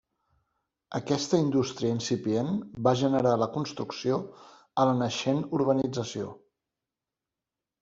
Aquesta indústria incipient va generar la construcció a la naixent urbanització.